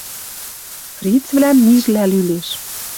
Фрицвлӓм мижлӓ лӱлеш.